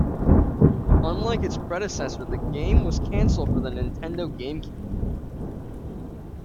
Unlike its predecessor, the game was cancelled for the Nintendo GameCube.